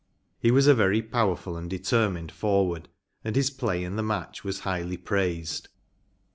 He was a very power¬ ful and determined forward, and his play in the match was highly praised.